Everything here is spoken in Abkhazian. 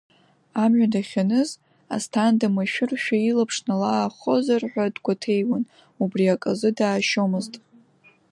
Амҩа дахьаныз, Асҭанда машәыршәа илаԥш налаахозар ҳәа дгәаҭеиуан, убри ак азы даашьомызт.